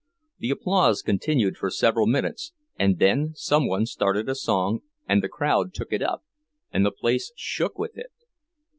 The applause continued for several minutes; and then some one started a song, and the crowd took it up, and the place shook with it.